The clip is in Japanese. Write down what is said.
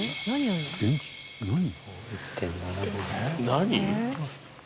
何？